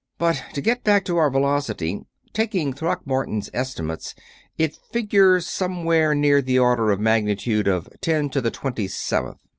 But to get back to our velocity taking Throckmorton's estimates it figures somewhere near the order of magnitude of ten to the twenty seventh.